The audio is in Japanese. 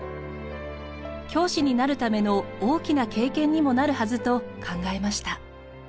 教師になるための大きな経験にもなるはずと考えました。